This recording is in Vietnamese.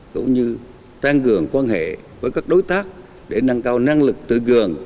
cũng như tăng cường quan hệ với các đối tác để nâng cao năng lực tự cường